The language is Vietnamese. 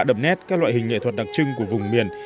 đậm nét các loại hình nghệ thuật đặc trưng của vùng miền